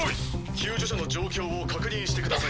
救助者の状況を確認してください。